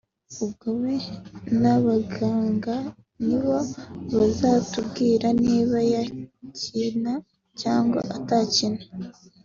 ubwo we n’abaganga nibo bazatubwira niba yakina cyangwa atakina